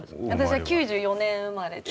私は９４年生まれです。